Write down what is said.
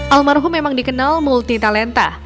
almarhum memang dikenal multi talenta